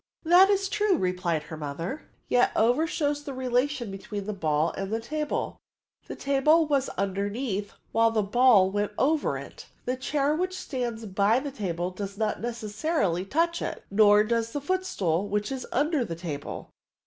" That is true/* replied her mother, " yet i^f^er shows the relation between the ball and the table: the table was underneath while the ball went over it. The chair which stands by the table does not necessarily touch it ; nor does the footstool, which is under the table."